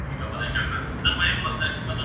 هغه وويل چي سفر ګټور دی؟!